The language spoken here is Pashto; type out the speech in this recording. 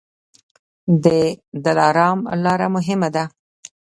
د دلارام لاره مهمه ده